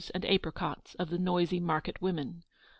11 and apricots of the noisy market women.